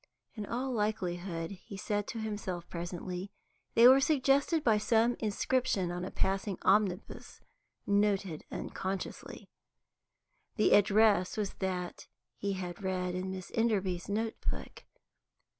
In all likelihood, he said to himself presently, they were suggested by some inscription on a passing omnibus, noted unconsciously. The address was that he had read in Miss Enderby's note book.